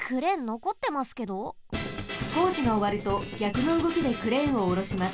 こうじがおわるとぎゃくのうごきでクレーンをおろします。